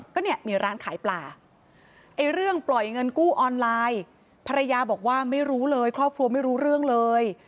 ก็เนี่ยมีร้านขายปลาไอ้เรื่องปล่อยเงินกู้ออนไลน์ภรรยาบอกว่าไม่รู้เลยครอบครัวไม่รู้เรื่องเลย